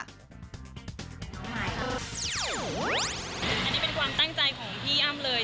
อันนี้เป็นความตั้งใจของพี่อ้ำเลย